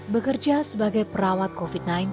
bekerja sebagai perawat covid sembilan belas